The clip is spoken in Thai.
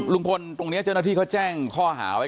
ตรงนี้เจ้าหน้าที่เขาแจ้งข้อหาไว้